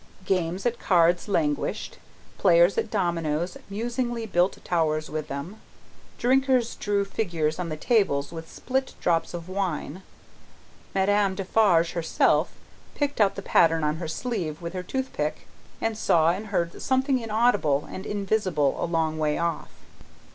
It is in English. Games at cards languished, players at dominoes musingly built towers with them, drinkers drew figures on the tables with spilt drops of wine, Madame Defarge herself picked out the pattern on her sleeve with her toothpick, and saw and heard something inaudible and invisible a long way off.